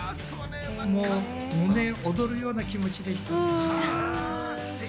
胸躍るような気持ちでした。